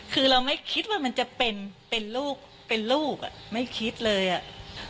คือเราไม่คิดว่ามันจะเป็นเป็นลูกเป็นลูกอ่ะไม่คิดเลยอ่ะ